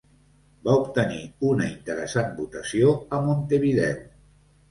Va obtenir una interessant votació a Montevideo.